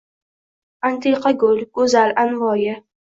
Antiqa gul! Go‘zal! Anvoyi!